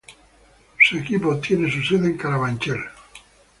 Su equipo tiene su sede en Brooklyn.